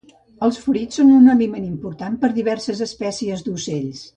Els fruits són un aliment important per diverses espècies d'ocells.